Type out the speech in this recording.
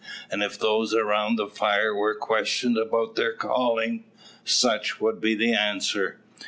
And if those around the fire were questioned about their calling, such would be the answer.